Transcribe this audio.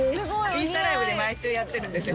インスタライブで毎週やってるんですよ